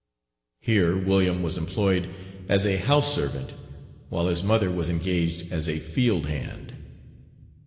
Here William was employed as a house servant, while his mother was engaged as a field hand.